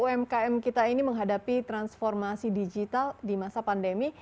umkm kita ini menghadapi transformasi digital di masa pandemi